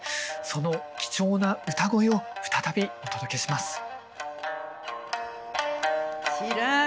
その貴重な歌声を再びお届けします。